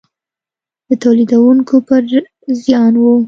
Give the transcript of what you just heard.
د تولیدوونکو پر زیان و.